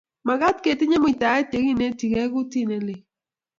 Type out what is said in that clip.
Magat ketinye muitaet ye kinetikey kutit ne lel.